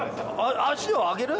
脚を上げる？